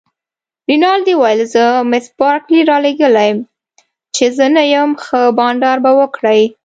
رینالډي وویل: زه مس بارکلي رالېږم، چي زه نه یم، ښه بانډار به وکړئ.